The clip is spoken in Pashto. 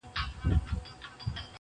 اغزي مي له تڼاکو رباتونه تښتوي.!